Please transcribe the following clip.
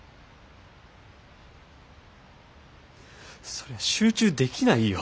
そりゃ集中できないよ。